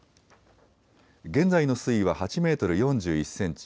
現在の水位は８メートル４１センチ。